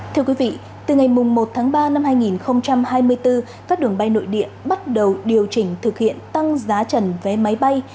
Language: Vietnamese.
từ ngày một ba hai nghìn hai mươi bốn các đường bay nội địa bắt đầu điều chỉnh thực hiện tăng giá trần vé máy bay